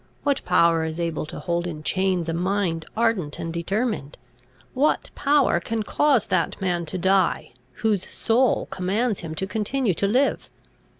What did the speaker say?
What power is able to hold in chains a mind ardent and determined? What power can cause that man to die, whose whole soul commands him to continue to live?"